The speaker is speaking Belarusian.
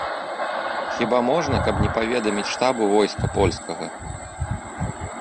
Хіба можна, каб не паведаміць штабу войска польскага!